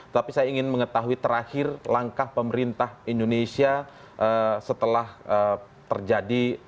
tapi saya ingin mengetahui terakhir langkah pemerintah indonesia setelah terjadi